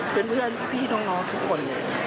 เพื่อนพี่น้องทุกคนเลย